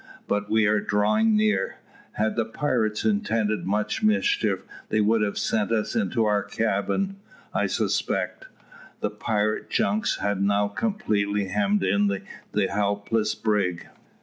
But we are drawing near. Had the pirates intended much mischief they would have sent us into our cabin, I suspect." The pirate junks had now completely hemmed in the helpless brig.